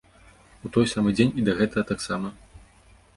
У той самы дзень і да гэтага таксама.